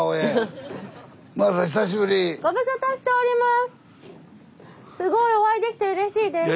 ・すごいお会いできてうれしいです。